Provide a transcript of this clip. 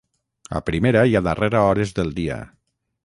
a primera i a darrera hores del dia